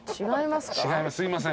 違います。